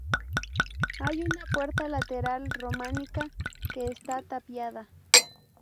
Hay una puerta lateral románica, que está tapiada.